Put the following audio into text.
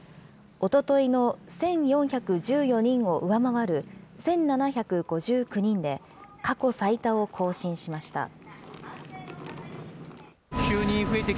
おとといの１４１４人を上回る１７５９人で、過去最多を更新しました。